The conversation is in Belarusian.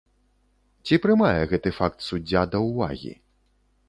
Ці прымае гэты факт суддзя да ўвагі?